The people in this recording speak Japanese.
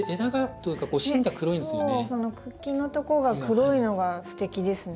そう茎のとこが黒いのがステキですね。